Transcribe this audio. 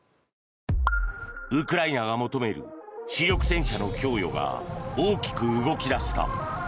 ウクライナが求める主力戦車の供与が大きく動き出した。